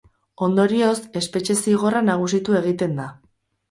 Ondorioz, espetxe-zigorra nagusitu egiten da.